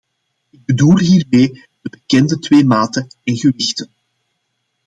Ik bedoel hiermee de bekende twee maten en gewichten.